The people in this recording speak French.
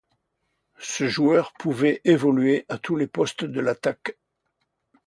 Ce joueur pouvait évoluer à tous les postes de l'attaque.